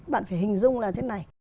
bạn phải hình dung là thế này